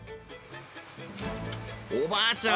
おばあちゃん